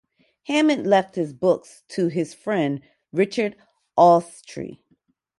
Hammond left his books to his friend Richard Allestree.